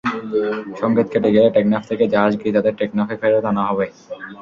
সংকেত কেটে গেলে টেকনাফ থেকে জাহাজ গিয়ে তাঁদের টেকনাফে ফেরত আনা হবে।